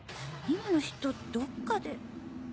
今の人どっかで。